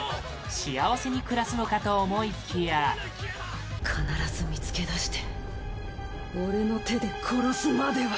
幸せに暮らすのかと思いきやアクア：必ず見つけ出して俺の手で殺すまでは。